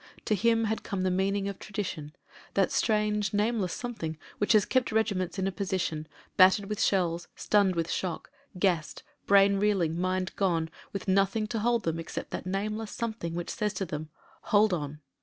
To him had come the meaning of tradition — that strange, nameless something which has kept regiments in a position, battered with shells, stunned with shock, gassed, brain reeling, mind gone, with nothing to hold them except that nameless something which says to them, "Hold on!"